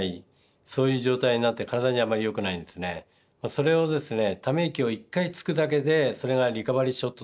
それをですね